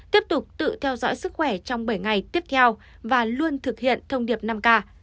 tiếp tục tự theo dõi sức khỏe trong bảy ngày tiếp theo và luôn thực hiện thông điệp năm k